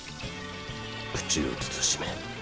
口を慎め。